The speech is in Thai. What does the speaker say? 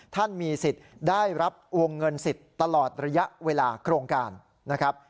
ท่านมีสิทธิ์ได้รับวงเงินสิทธิ์ตลอดระยะเวลาโครงการนะครับ